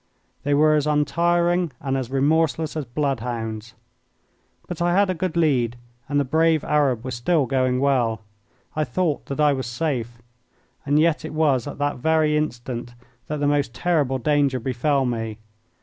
They were as untiring and as remorseless as bloodhounds. But I had a good lead and the brave Arab was still going well. I thought that I was safe. And yet it was at that very instant that the most terrible danger befell me.